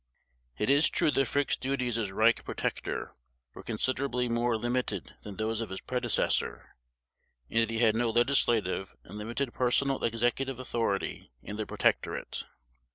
It is true that Frick's duties as Reich Protector were considerably more limited than those of his predecessor, and that he had no legislative and limited personal executive authority in the Protectorate.